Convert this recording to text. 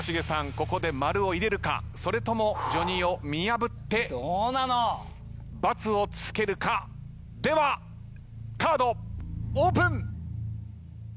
ここで○を入れるかそれともＪＯＮＩＯ見破って×を付けるかではカードオープン。